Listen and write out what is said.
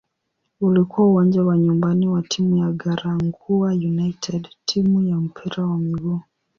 Ulikuwa uwanja wa nyumbani wa timu ya "Garankuwa United" timu ya mpira wa miguu.